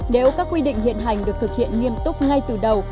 nếu các quy định hiện hành được thực hiện nghiêm túc ngay từ đầu